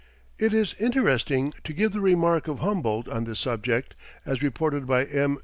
It is interesting to give the remark of Humboldt on this subject, as reported by M.